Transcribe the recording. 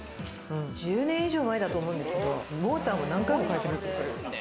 １０年以上前だと思うんですけど、モーターも何回も変えてるんですよ。